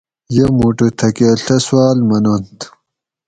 یہ مُٹو تھکہۤ ڷہ سواۤل مننت